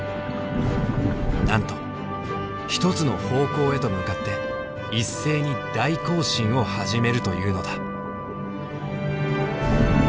なんと一つの方向へと向かって一斉に大行進を始めるというのだ。